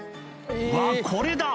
うわこれだ！